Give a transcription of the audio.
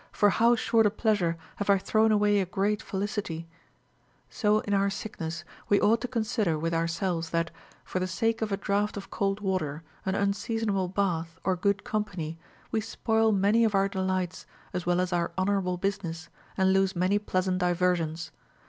for how short a pleasure have I thrown away a great felicity !— so in our sickness, w^e ought to consider with ourselves that, for the sake of a draught of cold water, an unseasonable bath, or good company, we spoil many of our delights as 260 RULES FOR THE PRESERVATION OF HEALTH. well as our honorable business, and lose many pleasant diversions.